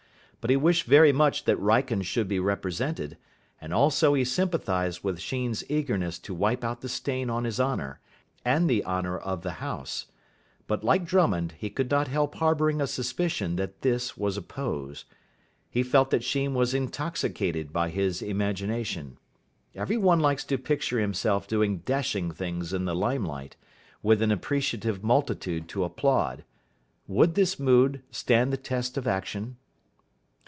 But he wished very much that Wrykyn should be represented, and also he sympathised with Sheen's eagerness to wipe out the stain on his honour, and the honour of the house. But, like Drummond, he could not help harbouring a suspicion that this was a pose. He felt that Sheen was intoxicated by his imagination. Every one likes to picture himself doing dashing things in the limelight, with an appreciative multitude to applaud. Would this mood stand the test of action?